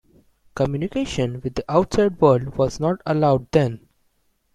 Communication with the outside world was not allowed then.